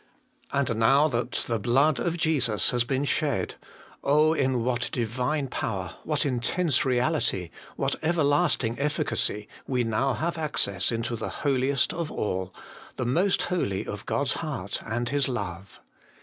And now that the blood of Jesus has been shed oh ! in what Divine power, what intense reality, what everlasting efficacy, we now have access into the Holiest of all, the Most Holy of God's heart and His love